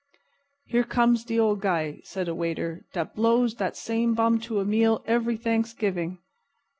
"Here comes de old guy," said a waiter, "dat blows dat same bum to a meal every Thanksgiving."